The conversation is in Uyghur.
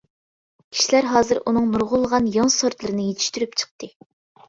كىشىلەر ھازىر ئۇنىڭ نۇرغۇنلىغان يېڭى سورتلىرىنى يېتىشتۈرۈپ چىقتى.